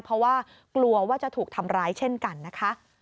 เพราะว่ากลัวว่าจะถูกทำร้ายเช่นกันนะคะ